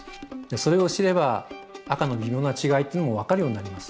それを知れば赤の微妙な違いっていうのも分かるようになります。